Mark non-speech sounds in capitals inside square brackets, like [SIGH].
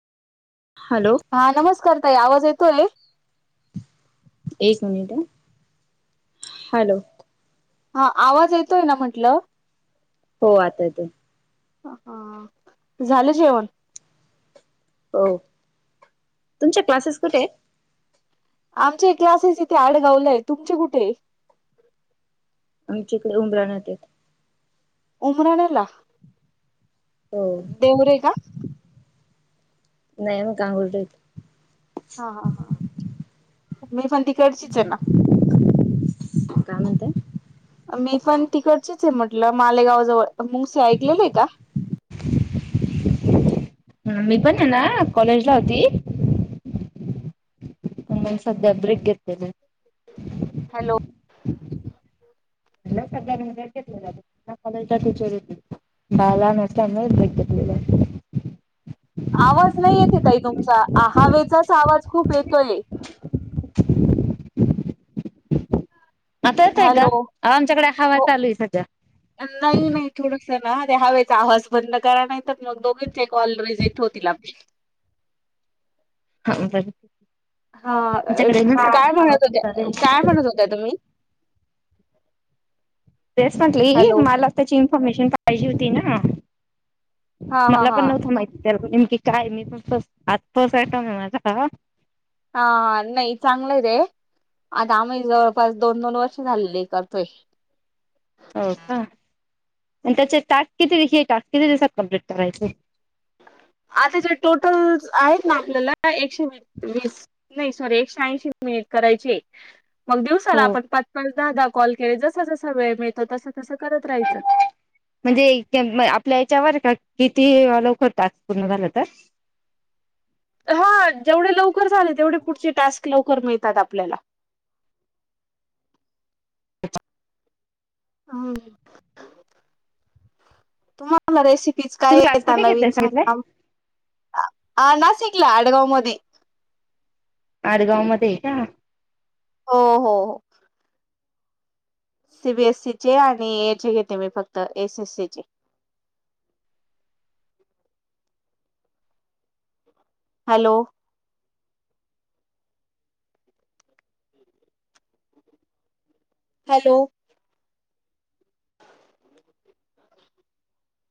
Hello. हा नमस्कार ताई आवाज येतोय? एक मिनिट ह हॅलो. हा आवाज येतोय ना म्हंटलं? हो आता येतोय. हा हा झालं जेवण? हो तुमच्या क्लासेस कुठे आहे? आमचे क्लासेस इथे आडगावला आहे. तुमचे कुठे ये? आमच्याकडे उमराणतेत. उमराण्याला हो देवरे का? नाही म का हूल [UNINTELLIGIBLE] हा हा हा. मी पण तिकडचीच आहे ना. काय म्हणताय? मी पण तिकडचीच आहे म्हटलं, मालेगाव जवळ मुंसे ऐकलेले आहे का? ह. मी पण आहे ना कॉलेज ला होती. मंग सध्या ब्रेक घेतलेल. हॅलो. [UNINTELLIGIBLE] [UNINTELLIGIBLE] आवाज नाही येते ताई तुमचा हावेचाच आवाज खूप येतोय. आता येतोय का? हॅलो आमच्याकडे हवा हो चालू आहे सध्या. नाही नाही थोडस ना त्या हवेचा आवाज बंद करा, नाही तर मग दोघींचे कॉल रिजेक्ट होतील आपले. हा बरं हा काय हवा म्हणत खूप होत्या? चालू आहे काय म्हणत होत्या तुम्ही? तेच म्हटली हॅलो मला त्याची इन्फॉर्मेशन पाहिजे होती ना. हा हा मला हा पण नव्हतं माहिती त्या नेमकी काय मी पण फ आत फर्स्ट टाइम आहे माझा आता हा. हा हा. नाही चांगलय ते. अग आम्ही जवळपास दोन दोन वर्ष झालेले करतोय. हो का आणि त्याचे टास्क किती [UNINTELLIGIBLE] हे टास्क किती दिवसात कंम्पलीट करायचे? आता जे टोटल आहेत ना आपल्याला [UNINTELLIGIBLE] एकशेवीस नाही सॉरी एकशे ऐंशी मिनिट करायचेत. मग दिवसाला हो आपण पाच पाच दहा दहा कॉल केले जस जसा वेळ मिळतो तस तसं करत राहायचं. म्हणजे [UNINTELLIGIBLE] आपल्या याच्यावर का किती लवकर टास्क पूर्ण झालं तर हा जेवढे लवकर झाले तेवढे पुढचे टास्क लवकर मिळतात आपल्याला हं [INAUDIBLE] तुम्हां [UNINTELLIGIBLE] रेसिपीज तुम्ही काय क्लास येता कुठे घेतलाय नवीन सांगितलंय सांगा? आ नासिकला आडगावमध्ये आडगावमध्ये का? हो हो सी बीएससीचे आणि याचे घेते मी फक्त एस एस सी चे हॅलो! हॅलो